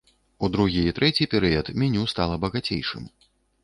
У другі і трэці перыяд меню стала багацейшым.